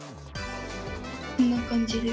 こんな感じです。